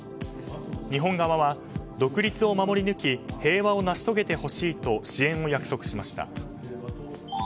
日本側は独立を守り抜き平和を成し遂げてほしいと支援を約束しました。